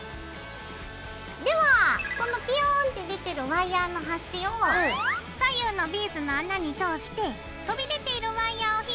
ではそのビューンって出てるワイヤーの端を左右のビーズの穴に通して飛び出ているワイヤーを引っ張りながら。